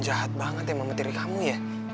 jahat banget ya mama tilly kamu ya